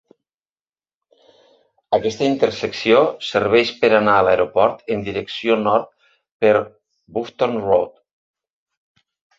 Aquesta intersecció serveix per anar a l'aeroport en direcció nord per Bluffton Road.